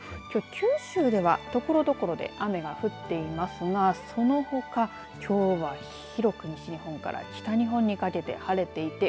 九州ではところどころで雨が降っていますが、そのほか、きょうは広く西日本から北日本にかけて晴れています。